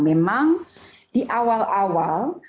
memang di awal awal